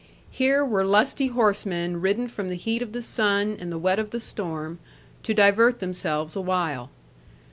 Here were lusty horsemen ridden from the heat of the sun, and the wet of the storm, to divert themselves awhile.